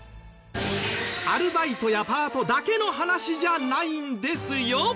アルバイトやパートだけの話じゃないんですよ。